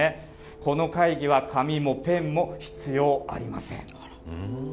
この会議は紙もペンも必要ありません。